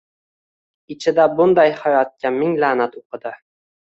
Ichida bunday hayotga ming la’nat o‘qidi.